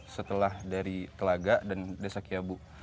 setelah dari telaga dan desa kiabu